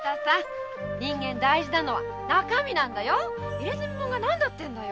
「入墨者」が何だっていうんだよ。